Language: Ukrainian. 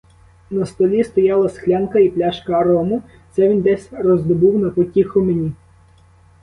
На столі стояла склянка і пляшка рому, це він десь роздобув на потіху мені.